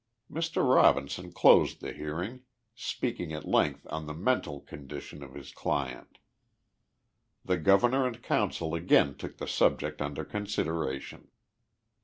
Mr. Robinson closed the hearing, speaking at length on the mental condition of his client. The Governor and Council again took the subject under con sideration.